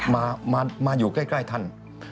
มาอยู่ใกล้ท่าน